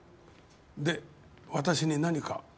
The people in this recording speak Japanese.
で私に何か？